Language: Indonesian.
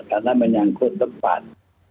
karena menyangkut tempat